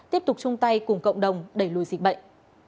tiếp tục chung tay cùng cộng đồng đẩy lùi dịch bệnh